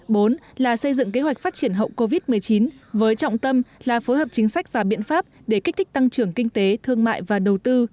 bốn là xây dựng kế hoạch phát triển hậu covid một mươi chín với trọng tâm là phối hợp chính sách và biện pháp để kích thích tăng trưởng kinh tế thương mại và đầu tư